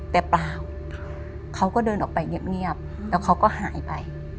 แต่เปล่าเขาก็เดินออกไปเงียบแล้วเขาก็หายไป